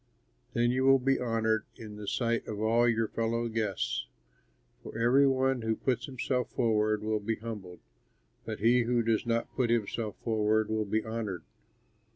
Then you will be honored in the sight of all your fellow guests. For every one who puts himself forward will be humbled, but he who does not put himself forward will be honored."